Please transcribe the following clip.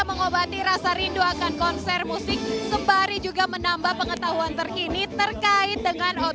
mengobati rasa rindu akan konser musik sembari juga menambah pengetahuan terkini terkait dengan